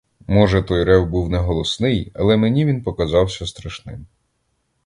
Може, той рев був не голосний, але мені він показався страшним.